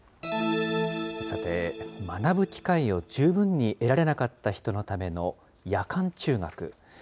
さて、学ぶ機会を十分に得られなかった人のための夜間中学。